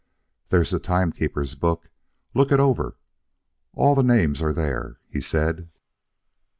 "There's the time keeper's book. Look it over. All the names are there," he said.